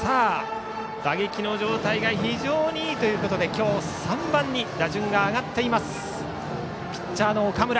打撃の状態が非常にいいということで今日は３番に打順が上がったピッチャーの岡村。